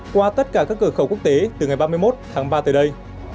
qua tất cả các cửa khẩu quốc tế từ ngày ba mươi một tháng ba tới đây